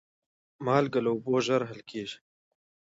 مالګه له اوبو ژر حل کېږي.